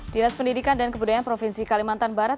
dinas pendidikan dan kebudayaan provinsi kalimantan barat